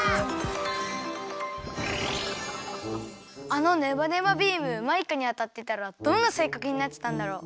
あのネバネバビームマイカにあたってたらどんなせいかくになってたんだろう？